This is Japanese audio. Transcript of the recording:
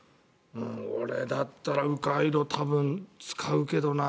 俺だったら迂回路を多分使うけどな。